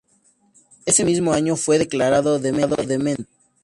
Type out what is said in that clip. Ese mismo año fue declarado demente.